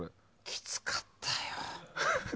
きつかったよ。